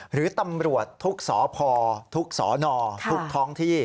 หรือตำรวจทุกสพทุกสอนอทุกท้องที่